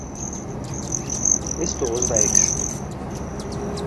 Es to uzveikšu.